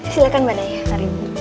silahkan mbak naya